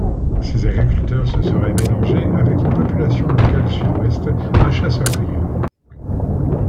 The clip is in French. Ces agriculteurs se seraient mélangés avec une population locale sud-ouest de chasseurs-cueilleurs.